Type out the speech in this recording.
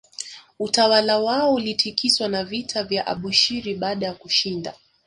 Utawala wao ulitikiswa na vita ya Abushiri baada ya kushinda